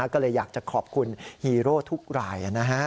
ก็เลยอยากจะขอบคุณฮีโร่ทุกราย